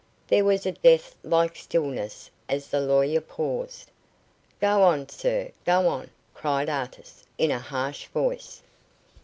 There was a death like stillness as the lawyer paused. "Go on, sir, go on," cried Artis, in a harsh voice.